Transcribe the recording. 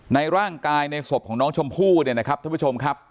ในร่างกายในศพของน้องชมพู่เนี่ยนะครับท่านผู้ชมครับ